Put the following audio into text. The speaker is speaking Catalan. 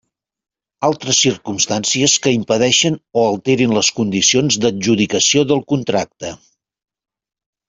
Altres circumstàncies que impedeixin o alterin les condicions d'adjudicació del contracte.